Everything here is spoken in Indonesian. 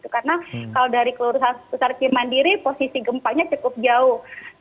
karena kalau dari kelurusan sesar cimandiri posisi gempanya cukup jauh